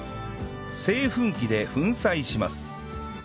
製粉機で粉砕します